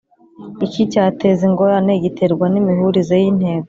Iki cyateza ingorane giterwa n imihurize y intego